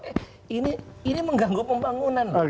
eh ini mengganggu pembangunan loh